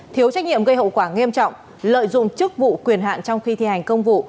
thiếu trách nhiệm gây hậu quả nghiêm trọng lợi dụng chức vụ quyền hạn trong khi thi hành công vụ